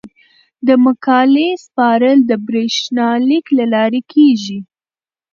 د مقالې سپارل د بریښنالیک له لارې کیږي.